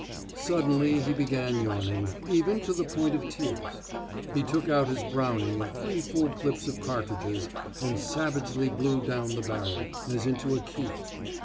Suddenly he began yawning, even to the point of tears. He took out his Browning and three full clips of cartridges, and savagely blew down the barrel, as into a key.